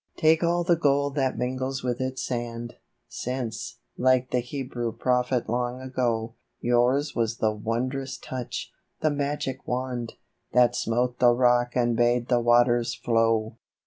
Take all the gold that mingles with its sand ; Since, like the Hebrew Prophet long ago, Yours was the wond'rous touch, the magic wand, That smote the rock and bade the waters flow